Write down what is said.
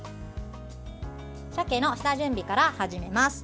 さけの下準備から始めます。